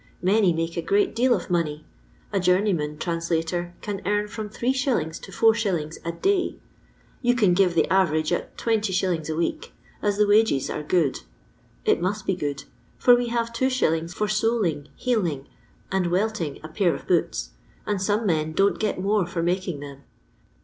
Many make a great deal of money. A journeyman translator can earn from Zs. to is, a day. Yon can give the average at 20s. a week, as the wagea are good. It must be good, for we have 2f. for soling, heeling, and weltiug a pair of boots ; and some men don't get more for making them.